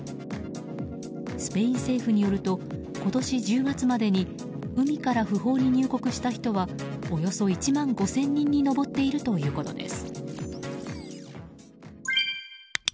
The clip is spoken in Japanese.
スペイン政府によると今年１０月までに海から不法に入国した人はおよそ１万５０００人に上っているということです。